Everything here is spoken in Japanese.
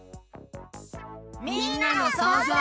みんなのそうぞう。